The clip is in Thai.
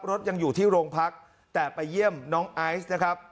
รถยังอยู่ที่โรงพักแต่ไปเยี่ยมน้องไอซ์นะครับ